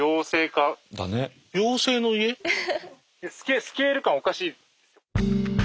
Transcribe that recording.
スケール感おかしい。